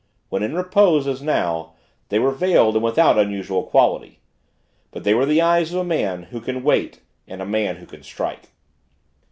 When in repose, as now, they were veiled and without unusual quality but they were the eyes of a man who can wait and a man who can strike.